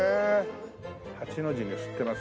八の字に知ってますよ。